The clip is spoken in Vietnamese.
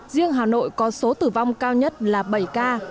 riêng hà nội có số tử vong cao nhất là bảy ca